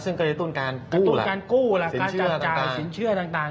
ซึ่งก็จะต้นการกู้ละต้นการกู้ละสินเชื่อต่างต่างสินเชื่อต่างต่าง